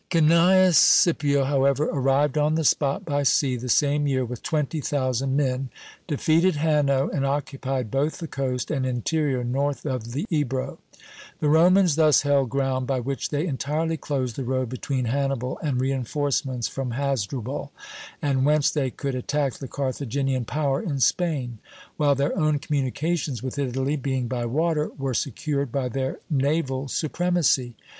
Cnæus Scipio, however, arrived on the spot by sea the same year with twenty thousand men, defeated Hanno, and occupied both the coast and interior north of the Ebro. The Romans thus held ground by which they entirely closed the road between Hannibal and reinforcements from Hasdrubal, and whence they could attack the Carthaginian power in Spain; while their own communications with Italy, being by water, were secured by their naval supremacy.